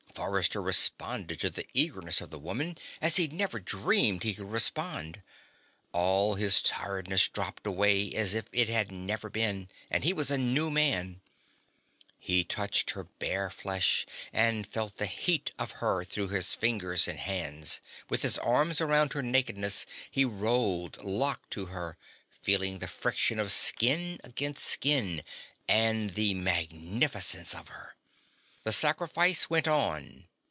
Forrester responded to the eagerness of the woman as he'd never dreamed he could respond; all his tiredness dropped away as if it had never been, and he was a new man. He touched her bare flesh and felt the heat of her through his fingers and hands; with his arms around her nakedness he rolled, locked to her, feeling the friction of skin against skin and the magnificence of her. The sacrifice went on